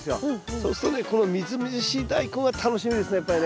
そうするとねこのみずみずしいダイコンが楽しみですねやっぱりね。